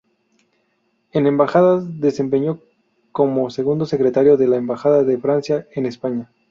En embajadas, desempeño como segundo secretario de la Embajada de Francia en España.